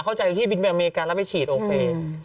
เข้าใจที่บินไปอเมริกาแล้วไปฉีดโอเค